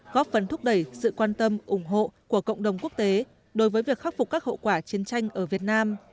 góp phần thúc đẩy sự quan tâm ủng hộ của cộng đồng quốc tế đối với việc khắc phục các hậu quả chiến tranh ở việt nam